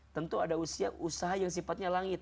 tentu ada usia usaha yang sifatnya langit